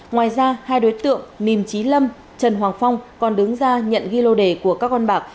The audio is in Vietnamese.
ngoài ra hai đối tượng nìm trí lâm trần hoàng phong còn đứng ra nhận ghi lô đề của các con bạc